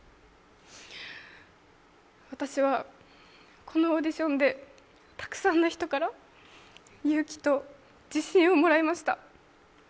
私はこのオーディションでたくさんの人から勇気と自信をもらいました。